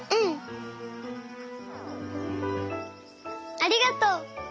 ありがとう。